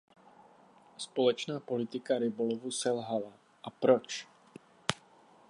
Společná politika rybolovu selhala, a proč?